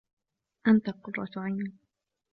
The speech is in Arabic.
أنتَ قرة عيني.